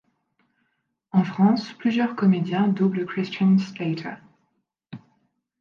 En France, plusieurs comédiens doublent Christian Slater.